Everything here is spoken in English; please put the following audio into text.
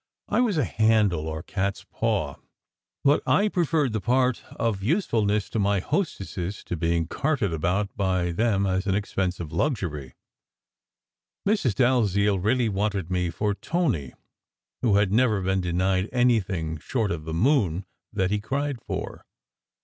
I was a handle, or cat s paw; but I preferred the part of usefulness to my hostesses to being carted about by them as an expensive luxury. Mrs. Dalziel really wanted me for Tony, who had never been denied anything short of the moon that he cried for.